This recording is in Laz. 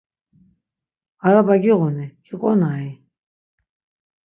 Araba giğuni, giqonai?